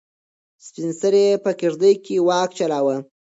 سپین سرې په کيږدۍ کې واک چلاوه.